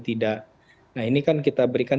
tidak nah ini kan kita berikan